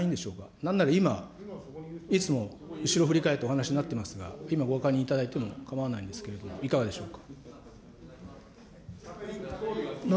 なんなら今、いつも後ろ振り返って、お話になっていますが、今、ご確認いただいても構わないんですけれども、いかがでしょうか。